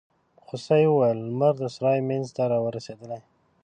په غوسه يې وویل: لمر د سرای مينځ ته رارسيدلی.